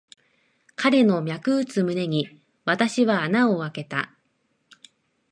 彼の脈打つ胸に、私は穴をあけた。